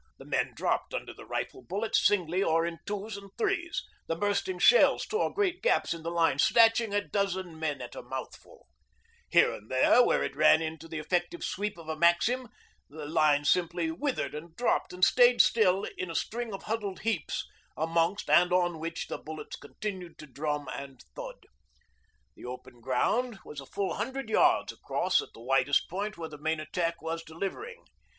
The men dropped under the rifle bullets, singly or in twos and threes; the bursting shells tore great gaps in the line, snatching a dozen men at a mouthful; here and there, where it ran into the effective sweep of a maxim, the line simply withered and dropped and stayed still in a string of huddled heaps amongst and on which the bullets continued to drum and thud. The open ground was a full hundred yards across at the widest point where the main attack was delivering.